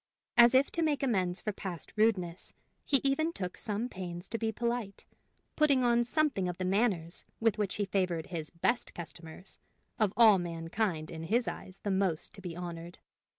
As if to make amends for past rudeness, he even took some pains to be polite, putting on something of the manners with which he favored his "best customers," of all mankind in his eyes the most to be honored.